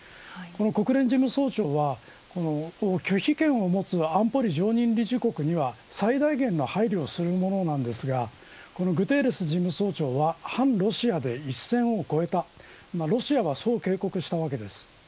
国連事務総長は拒否権を持つ安保理常任理事国には最大限の配慮をするものなんですがグテーレス事務総長は反ロシアで一線を越えたロシアはそう警告したわけです。